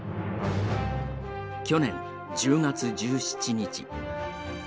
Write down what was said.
去年１０月１７日。